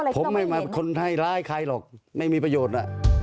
ผมไม่มาเป็นคนให้ร้ายใครหรอกไม่มีประโยชน์